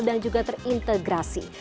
dan juga terintegrasi